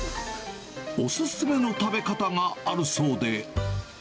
お勧めの食べ方があるそうで。